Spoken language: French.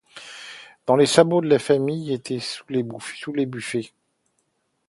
Tous les sabots de la famille étaient sous le buffet.